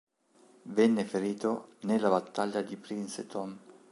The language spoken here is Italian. Venne ferito nella battaglia di Princeton.